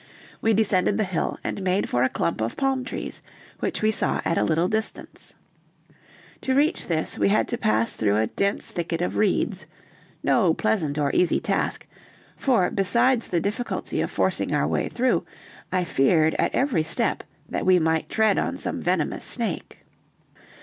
We descended the hill and made for a clump of palm trees, which we saw at a little distance. To reach this, we had to pass through a dense thicket of reeds, no pleasant or easy task; for, besides the difficulty of forcing our way through, I feared at every step that we might tread on some venomous snake.